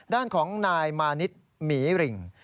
ด้านของนายมานิดหมีริง